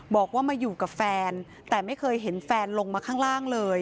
บอกว่ามาอยู่กับแฟนแต่ไม่เคยเห็นแฟนลงมาข้างล่างเลย